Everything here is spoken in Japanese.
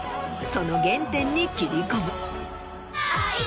その原点に切り込む。